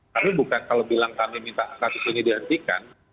tapi bukan kalau bilang kami minta satu ini dihentikan